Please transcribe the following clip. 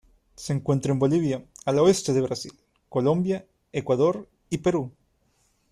Se encuentra en Bolivia, al oeste de Brasil, Colombia, Ecuador y Perú.